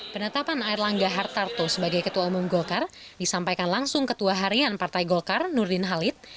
penetapan air langga hartarto sebagai ketua umum golkar disampaikan langsung ketua harian partai golkar nurdin halid